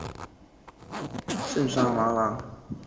盛彦师人。